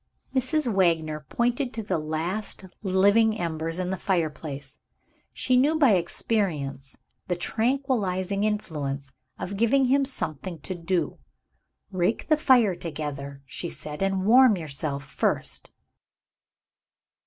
Mrs. Wagner pointed to the last living embers in the fireplace. She knew by experience the tranquilizing influence of giving him something to do. "Rake the fire together," she said; "and warm yourself first."